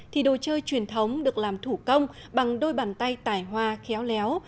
thì đồ chơi truyền thống được làm thủ công bằng đôi bàn tay tài hoa khéo léo